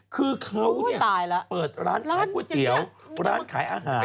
คือเขาเนี่ยเปิดร้านขายก๋วยเตี๋ยวร้านขายอาหาร